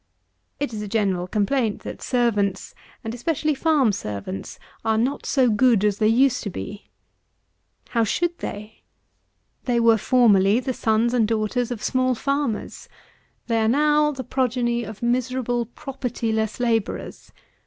It is a general complaint, that servants, and especially farm servants, are not so good as they used to be. How should they? They were formerly the sons and daughters of small farmers; they are now the progeny of miserable property less labourers.